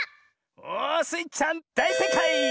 おスイちゃんだいせいかい！